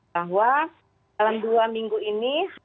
bahwa dalam dua minggu ini